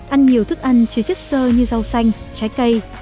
ăn nhiều thức ăn chứa chất sơ như rau xanh trái cây